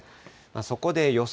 そこで予想